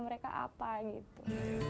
mereka apa gitu